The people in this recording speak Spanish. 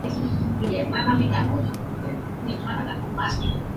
Surgió de la Escuela de Fútbol de Alexis García.